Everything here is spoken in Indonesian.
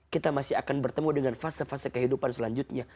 kita masih akan bertemu dengan fase fase kehidupan selanjutnya